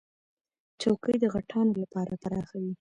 چوکۍ د غټانو لپاره پراخه وي.